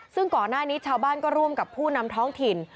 ซึ่งก่อนหน้านี้ชาวบ้านก็ร่วมกับผู้นำท้องถิ่น